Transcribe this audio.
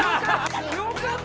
よかった！